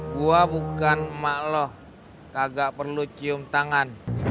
gue bukan emak lo kagak perlu cium tangan